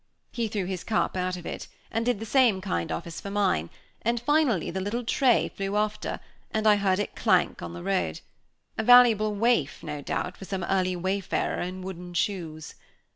He threw his cup out of it; and did the same kind office for mine, and finally the little tray flew after, and I heard it clank on the road; a valuable waif, no doubt, for some early wayfarer in wooden shoes.